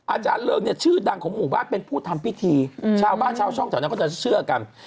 อาจารย์เริงเนี่ยชื่อดังของหมู่บ้านเป็นผู้ทำพิธีชาวบ้านชาวช่องแถวนั้นก็จะเชื่อกัน